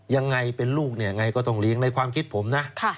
ยังไงเป็นลูกเนี่ยไงก็ต้องเลี้ยงในความคิดผมนะ